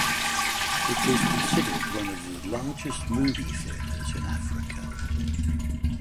It was considered one of the largest movie theaters in Africa.